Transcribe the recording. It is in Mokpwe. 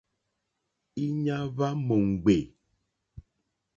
Íɲá hwá mò ŋɡbè.